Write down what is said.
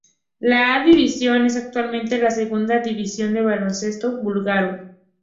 La A Division es actualmente la segunda división del baloncesto búlgaro.